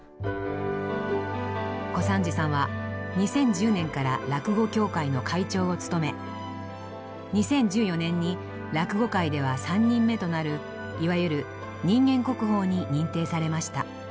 小三治さんは２０１０年から落語協会の会長を務め２０１４年に落語界では３人目となるいわゆる人間国宝に認定されました。